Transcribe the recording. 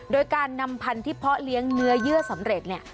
โดยการนำพันธุ์เพาะเลี้ยงเนื้อเยื่อสำเร็จเนี่ย